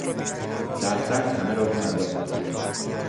دلقک همه را به خنده آورد.